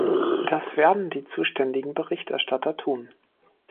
Das werden die zuständigen Berichterstatter tun.